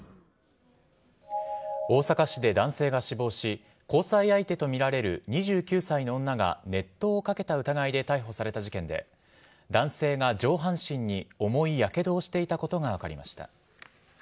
大阪市で男性が死亡し、交際相手と見られる２９歳の女が熱湯をかけた疑いで逮捕された事件で、男性が上半身に重いやけどをしていたことが分かりました。